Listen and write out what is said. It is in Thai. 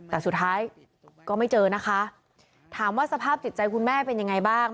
แต่สุดท้ายก็ไม่เจอนะคะถามว่าสภาพจิตใจคุณแม่เป็นยังไงบ้าง